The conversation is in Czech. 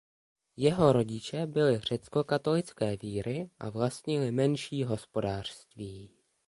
Jeho rodiče byli řeckokatolické víry a vlastnili menší hospodářství.